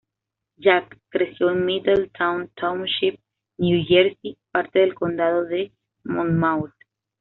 Jack creció en Middletown Township, New Jersey, parte del condado de Monmouth.